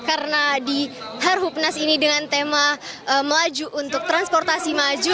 karena di harhubnas ini dengan tema melaju untuk transportasi maju